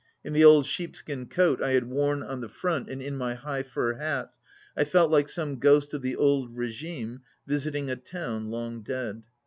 In the old sheepskin coat I had worn on the front and in my high fur hat, I felt like some ghost of the old regime visiting a town long dead.